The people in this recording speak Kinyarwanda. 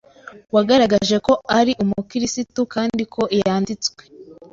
wagaragaje ko ari umukirisitu kandi ko yanditswe